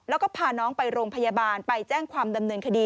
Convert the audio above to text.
แล้วก็พาน้องไปโรงพยาบาลไปแจ้งความดำเนินคดี